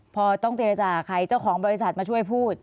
พอต้องเจรจาใครเจ้าของบริษัทมาช่วยพูด